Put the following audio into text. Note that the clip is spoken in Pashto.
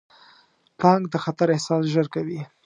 پړانګ د خطر احساس ژر کوي.